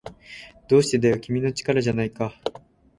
どうしてだよ、君の力じゃないか